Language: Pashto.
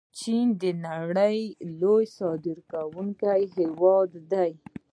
چین د نړۍ لوی صادروونکی هیواد دی.